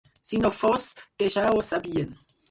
Si no fos que ja ho sabien